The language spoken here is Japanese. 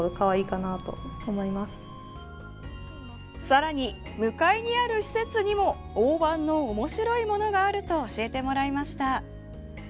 さらに向かいにある施設にもオオバンの面白いものがあると教えてもらいました。